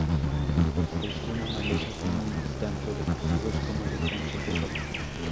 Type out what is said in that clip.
Es una maleza común, tanto de cultivos como de canchas de golf.